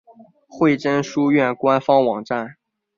惠贞书院官方网站